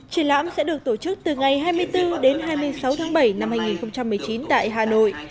triển lãm sẽ được tổ chức từ ngày hai mươi bốn đến hai mươi sáu tháng bảy năm hai nghìn một mươi chín tại hà nội